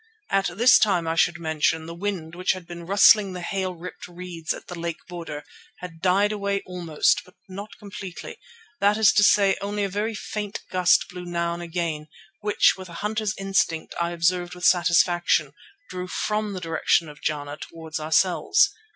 At this time, I should mention, the wind, which had been rustling the hail stripped reeds at the lake border, had died away almost, but not completely; that is to say, only a very faint gust blew now and again, which, with a hunter's instinct, I observed with satisfaction drew from the direction of Jana towards ourselves.